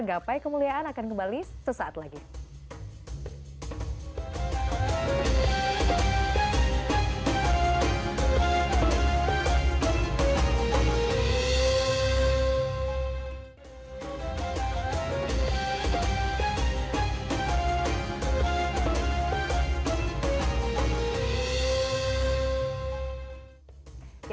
gapai kemuliaan akan kembali sesaat lagi